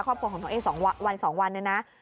ครอบครัวของน้องเอ๒วัน๒วันเนี่ยนะ